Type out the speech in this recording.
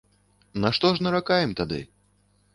На што ж наракаем тады?